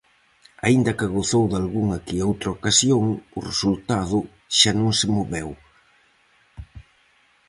Aínda que gozou dalgunha que outra ocasión, o resultado xa non se moveu.